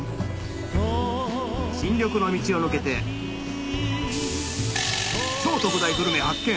新緑の道を抜けて超特大グルメ発見